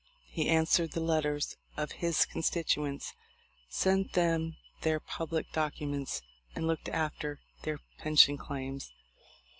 He answered the letters of his constituents, sent them their public documents, and looked after their pension claims.